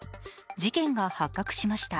事件が発覚しました。